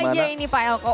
ini apa aja ini pak elko